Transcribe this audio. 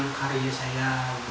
memaksimalkan karya saya